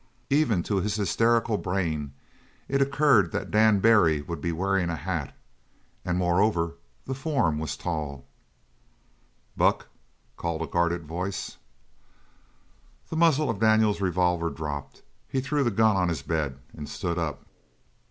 Even to his hysterical brain it occurred that Dan Barry would be wearing a hat and moreover the form was tall. "Buck!" called a guarded voice. The muzzle of Daniels' revolver dropped; he threw the gun on his bed and stood up.